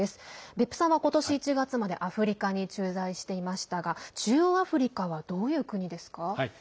別府さんは、今年１月までアフリカに駐在していましたが中央アフリカはどういう国ですか？